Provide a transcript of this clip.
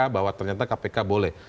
bahwa ternyata kpk boleh